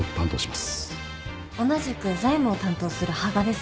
同じく財務を担当する羽賀です。